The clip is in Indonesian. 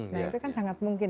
nah itu kan sangat mungkin